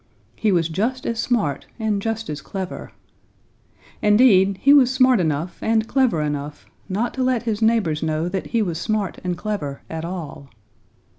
He was just as smart and just as clever. Indeed, he was smart enough and clever enough not to let his neighbors know that he was smart and clever at all.